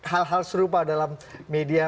hal hal serupa dalam media